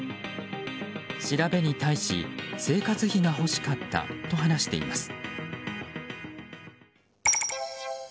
調べに対し、生活費が欲しかったと話しています。